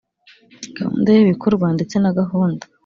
gahunda y ibikorwa ndetse na gahunda